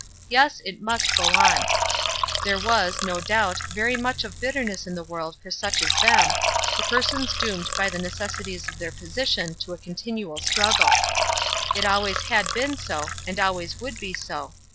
Yes; it must go on. There was, no doubt, very much of bitterness in the world for such as them, for persons doomed by the necessities of their position to a continual struggle. It always had been so, and always would be so.